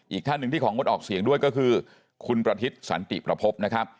อีกท่านหนึ่งที่ของงดออกเสียงด้วยก็คือคุณประทิศสันติประพบนะครับ